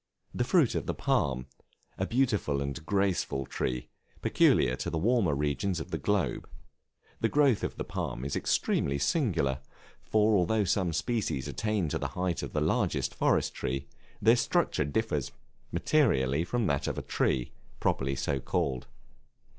The fruit of the Palm, a beautiful and graceful tree, peculiar to the warmer regions of the globe; the growth of the palm is extremely singular, for although some species attain to the height of the largest forest trees, their structure differs materially from that of a tree, properly so called.